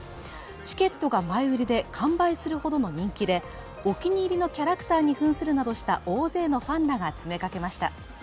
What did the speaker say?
チケットが前売りで完売するほどの人気で、お気に入りのキャラクターにふんするなどした大勢のファンらが詰めかけました。